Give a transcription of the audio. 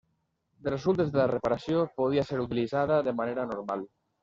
De resultes de la reparació podia ser utilitzada de manera normal.